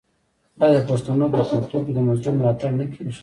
آیا د پښتنو په کلتور کې د مظلوم ملاتړ نه کیږي؟